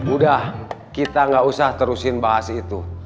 udah kita gak usah terusin bahas itu